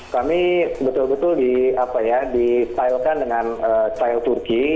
kami betul betul di stylekan dengan style turki